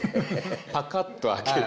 パカッと開けて。